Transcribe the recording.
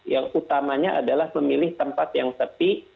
yang utamanya adalah memilih tempat yang sepi